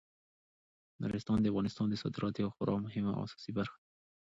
نورستان د افغانستان د صادراتو یوه خورا مهمه او اساسي برخه ده.